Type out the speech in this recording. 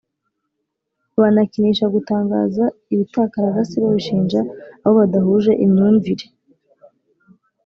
banakinisha gutangaza ibitakaragasi babishinja abobadahuje imyumvire